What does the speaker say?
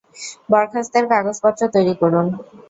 বরখাস্তের কাগজপত্র তৈরি করুন।